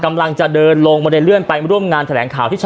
กำลังจะเดินลงบันไดเลื่อนไปร่วมงานแถลงข่าวที่ชั้น